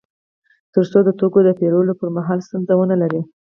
تر څو د توکو د پېرلو پر مهال ستونزه ونلري